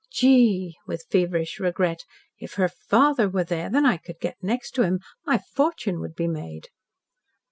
"Gee," with feverish regret. "If her father was there, and I could get next to him, my fortune would be made."